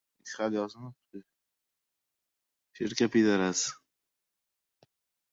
O‘tkir aql va hayotiy tajriba kerak.